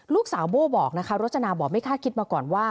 ลูกสาวโบ้บอกนะคะรจนาบอกไม่คาดคิดมาก่อนว่า